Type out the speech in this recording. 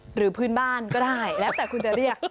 หรือพื้นบ้านก็ได้แล้วแต่คุณจะเรียก